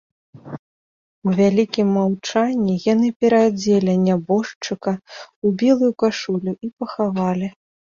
У вялікім маўчанні яны пераадзелі нябожчыка ў белую кашулю і пахавалі.